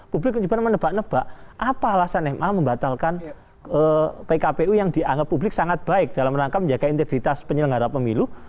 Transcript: publik menebak nebak apa alasan ma membatalkan pkpu yang dianggap publik sangat baik dalam rangka menjaga integritas penyelenggara pemilu